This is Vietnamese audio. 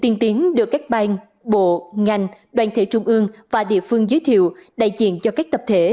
tiên tiến được các ban bộ ngành đoàn thể trung ương và địa phương giới thiệu đại diện cho các tập thể